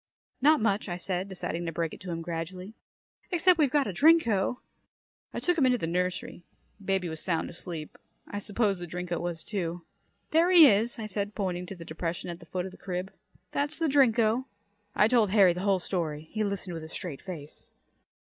"Not much," I said, deciding to break it to him gradually. "Except we've got a Drinko." I took him into the nursery. Baby was sound asleep. I supposed the Drinko was, too. "There he is," I said, pointing to the depression at the foot of the crib. "That's the Drinko." I told Harry the whole story. He listened with a straight face.